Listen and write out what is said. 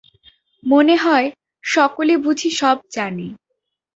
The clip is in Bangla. মনে হয়, সকলে বুঝি সব জানে।